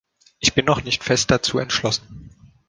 Ich bin noch nicht fest dazu entschlossen.